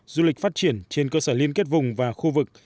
du lịch phát triển trên cơ sở liên kết vùng và khu vực